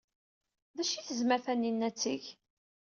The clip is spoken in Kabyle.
D acu ay tezmer Taninna ad teg?